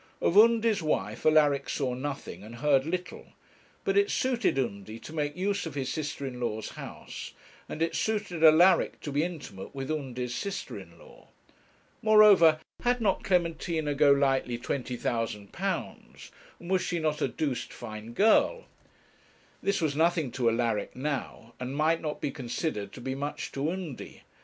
Of Undy's wife Alaric saw nothing and heard little, but it suited Undy to make use of his sister in law's house, and it suited Alaric to be intimate with Undy's sister in law. Moreover, had not Clementina Golightly £20,000, and was she not a 'doosed fine girl?' This was nothing to Alaric now, and might not be considered to be much to Undy.